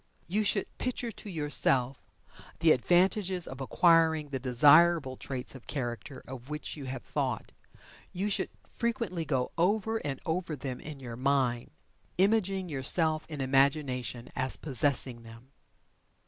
You should picture to yourself the advantages of acquiring the desirable traits of character of which you have thought. You should frequently go over and over them in your mind, imaging yourself in imagination as possessing them.